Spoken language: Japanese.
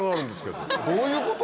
どういうこと？